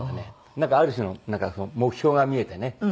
なんかある種の目標が見えてね。